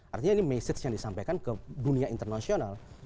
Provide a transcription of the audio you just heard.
artinya ini message yang disampaikan ke dunia internasional